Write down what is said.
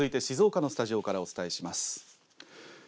続いて静岡のスタジオからお伝えします。